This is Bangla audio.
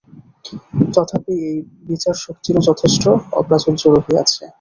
তথাপি এই বিচার-শক্তিরও যথেষ্ট অপ্রাচুর্য রহিয়াছে।